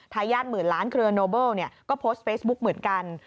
ทายาทหมื่นล้านเครือโนเบิลก็โพสต์เฟซบุ๊กเหมือนกัน